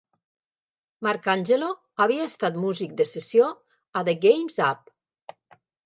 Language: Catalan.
Marcangelo havia estat músic de sessió a "The Game's Up".